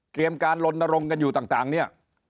การลนรงค์กันอยู่ต่างเนี่ย